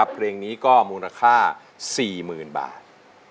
เพลงนี้ก็มูลค่า๔หมื่นบาท